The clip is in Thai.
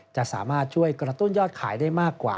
จะสามารถช่วยกระตุ้นยอดขายได้มากกว่า